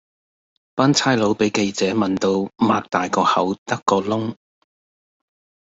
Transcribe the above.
班差佬比記者問到擘大個口得個窿